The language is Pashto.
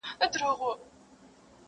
غم لړلی نازولی دی کمکی دی.!